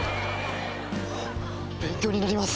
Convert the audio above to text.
ああ勉強になります。